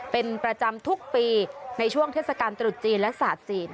เป็นประจำทุกปีในช่วงเทศกาลตรุษจีนและศาสตร์จีน